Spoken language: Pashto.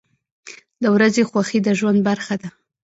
• د ورځې خوښي د ژوند برخه ده.